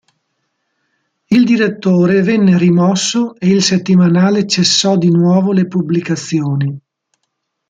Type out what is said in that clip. Il direttore venne rimosso e il settimanale cessò di nuovo le pubblicazioni.